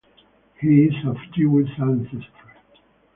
He is of Jewish ancestry.